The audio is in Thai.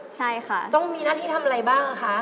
ใช่ค่ะต้องมีหน้าที่ทำอะไรบ้างคะ